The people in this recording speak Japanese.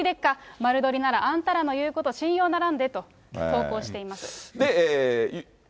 丸取りなら、あんたらの言うこと、信用ならんでと投稿しています。